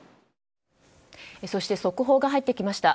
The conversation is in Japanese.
そして速報が入ってきました。